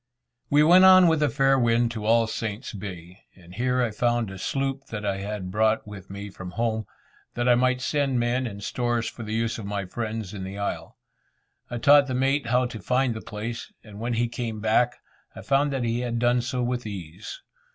We went on with a fair wind to All Saints' Bay, and here I found a sloop that I had brought with me from home, that I might send men and stores for the use of my friends in the isle. I taught the mate how to find the place, and when he came back, I found that he had done so with ease.